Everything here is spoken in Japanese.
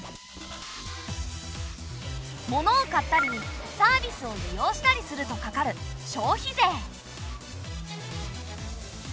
モノを買ったりサービスを利用したりするとかかる消費税。